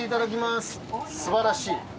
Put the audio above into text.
すばらしい。